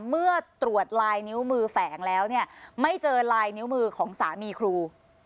เมื่อตรวจลายนิ้วมือแฝงแล้วเนี่ยไม่เจอลายนิ้วมือของสามีครู